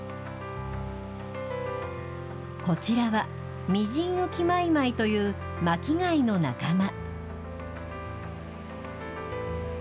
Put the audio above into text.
こちらは、ミジンウキマイマイという巻き貝の仲間。